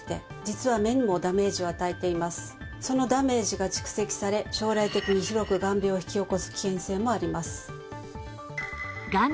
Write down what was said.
そのダメージが蓄積され将来的に広く眼病を引き起こす危険性もあります。